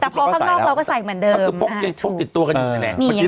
แต่พอข้างนอกเราก็ใส่เหมือนเดิมอัพสถุพกติดตัวกันด้วย